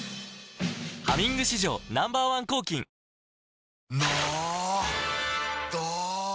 「ハミング」史上 Ｎｏ．１ 抗菌の！ど！